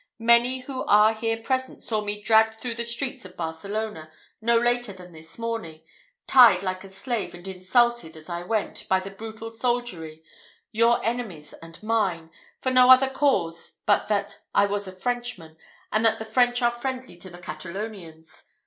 Many who are here present, saw me dragged through the streets of Barcelona, no later than this morning; tied like a slave, and insulted, as I went, by the brutal soldiery, your enemies and mine, for no other cause but that I was a Frenchman, and that the French are friendly to the Catalonians.